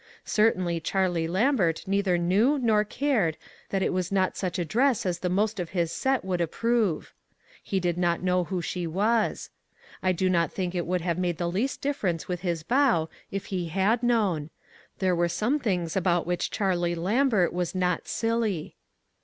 Cer tainly Charlie Lambert neither knew nor cared that it was not such a dress as the most of his set would approve. lie did not know who she was. I do not think it would have 64 ONE COMMONPLACE DAY. made the least difference with his bow if he had known ; there were some things about which Charlie Lambert was not silly.